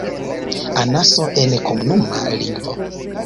Anaso en komunuma lingvo.